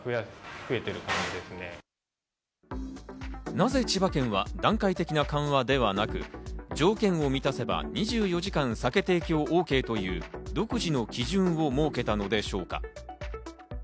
なぜ千葉県は段階的な緩和ではなく、条件を満たせば２４時間、酒提供ＯＫという独自の基準を設けたのでしょうか。